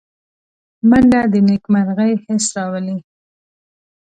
منډه د نېکمرغۍ حس راولي